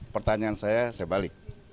pertanyaan saya saya balik